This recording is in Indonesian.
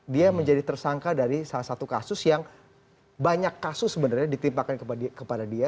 dia menjadi tersangka dari salah satu kasus yang banyak kasus sebenarnya ditimpakan kepada dia